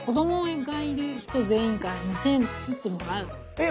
えっ⁉